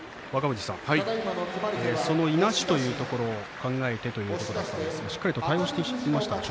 若藤さん、いなしというところ考えてということでしたがしっかりと対応していましたね。